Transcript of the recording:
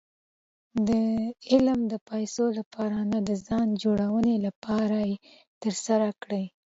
علم د پېسو له پاره نه، د ځان جوړوني له پاره ئې ترسره کړئ.